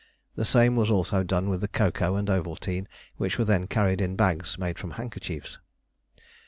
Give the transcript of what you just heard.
The same was also done with the cocoa and Ovaltine, which were then carried in bags made from handkerchiefs.